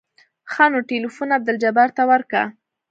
ښه نو ټېلفون عبدالجبار ته ورکه.